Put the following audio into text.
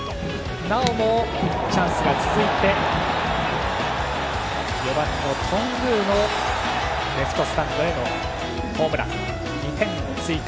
なおもチャンスが続いて４番、頓宮のレフトスタンドへのホームランで２点を追加